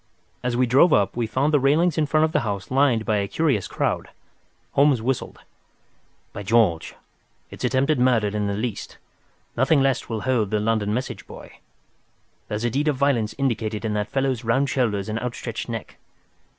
As we drove up, we found the railings in front of the house lined by a curious crowd. Holmes whistled. "By George! It's attempted murder at the least. Nothing less will hold the London message boy. There's a deed of violence indicated in that fellow's round shoulders and outstretched neck.